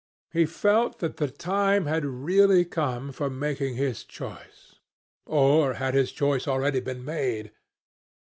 He felt that the time had really come for making his choice. Or had his choice already been made?